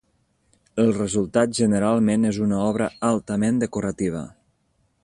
El resultat generalment és una obra altament decorativa.